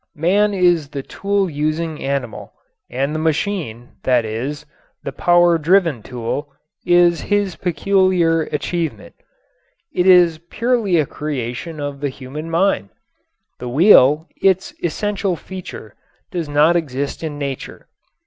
Man is the tool using animal, and the machine, that is, the power driven tool, is his peculiar achievement. It is purely a creation of the human mind. The wheel, its essential feature, does not exist in nature.